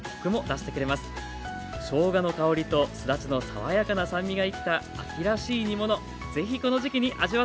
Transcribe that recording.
しょうがの香りとすだちの爽やかな酸味が生きた秋らしい煮物ぜひこの時期に味わってみてください。